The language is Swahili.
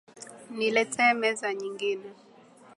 Nileete meza nyingine